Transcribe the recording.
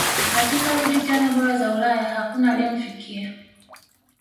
katika ligi tano bora za ulaya hakuna aliyemfikia